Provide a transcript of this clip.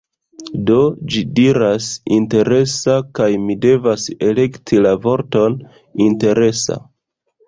Do, ĝi diras "interesa" kaj mi devas elekti la vorton "interesa"